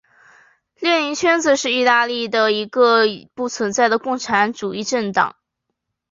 列宁圈子是意大利的一个已不存在的共产主义政党。